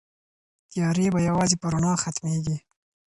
تيارې به يوازې په رڼا ختميږي.